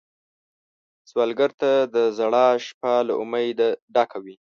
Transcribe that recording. سوالګر ته د ژړا شپه له امید ډکه وي